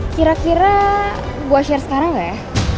kira kira gue share sekarang nggak ya